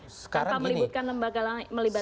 tanpa melibatkan lembaga lain